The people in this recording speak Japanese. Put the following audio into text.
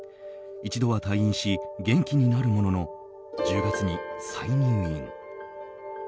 １度は退院し元気になるものの１０月に再入院。